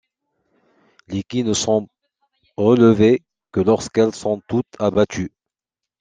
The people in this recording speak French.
Les quilles ne sont relevées que lorsqu'elles sont toutes abattues.